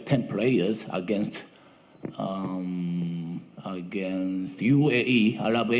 mereka menang dengan mengejar udara